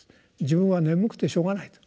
「自分は眠くてしょうがない」と。